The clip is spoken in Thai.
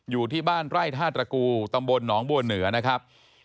อยู่ที่บ้านไร่ท่าตระกูตำบลหนองบัวเหนือนะครับ